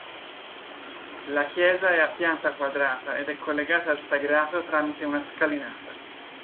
La chiesa è a pianta quadrata ed è collegata al sagrato tramite una scalinata.